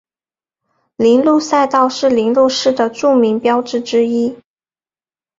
铃鹿赛道是铃鹿市的著名标志之一。